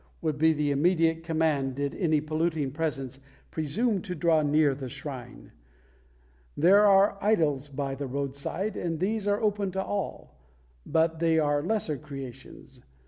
would be the immediate command, did any polluting presence presume to draw near the shrine. There are idols by the roadside, and these are open to all; but they are lesser creations.